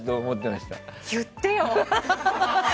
言ってよ！